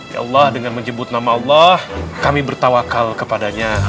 ya allah dengan menyebut nama allah kami bertawakal kepadanya